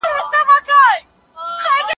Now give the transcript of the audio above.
زه هره ورځ درسونه لوستل کوم.